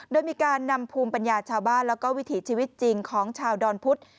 โดยมีการนำภูมิปัญญาชาวบ้านแล้วก็วิถีชีวิตจริงของชาวดอนพุธ